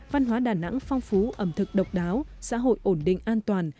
văn hóa đà nẵng phong phú ẩm thực độc đáo xã hội ổn định an toàn